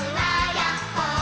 やっほ。